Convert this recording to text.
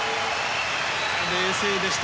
冷静でした。